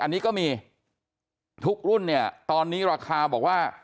อันนี้ก็มีทุกรุ่นเนี่ยตอนนี้ราคาบอกว่า